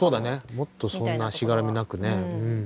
もっとそんなしがらみなくね。